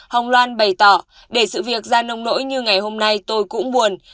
hồng loan bày tỏ để sự việc ra nông nỗi như ngày hôm nay tôi cũng buồn